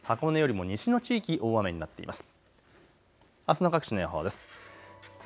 箱根よりも西の地域、大雨になっています。